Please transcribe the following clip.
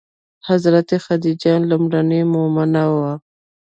حضرت خدیجه لومړنۍ مومنه وه.